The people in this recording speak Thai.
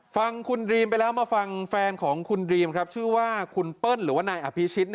ฟังคุณดรีมไปแล้วมาฟังแฟนของคุณดรีมครับชื่อว่าคุณเปิ้ลหรือว่านายอภิชิต